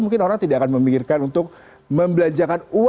mungkin orang tidak akan memikirkan untuk membelanjakan uang